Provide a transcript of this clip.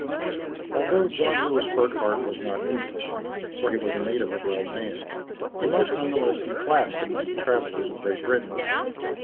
Although John Lewis Burckhardt was not English, for he was a native of Lausanne, he must none the less be classed among the travellers of Great Britain.